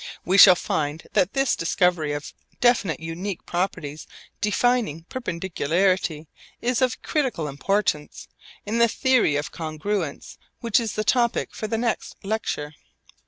We shall find that this discovery of definite unique properties defining perpendicularity is of critical importance in the theory of congruence which is the topic for the next lecture.